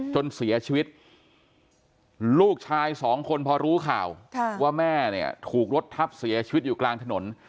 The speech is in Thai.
จนเสียชีวิตลูกชายสองคนพอรู้ข่าวว่าแม่เนี่ยถูกรถทับเสียชีวิตอยู่กลางถนน